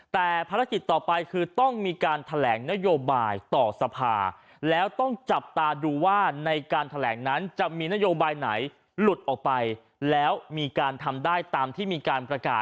แต่ภารกิจต่อไปคือต้องมีการแถลงนโยบายต่อสภา